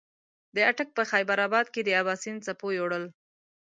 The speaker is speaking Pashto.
د اټک په خېبر اباد کې د اباسین څپو یوړل.